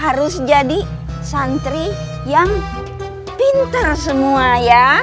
harus jadi santri yang pinter semua ya